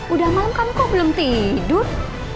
udah malem kamu kok belum tidur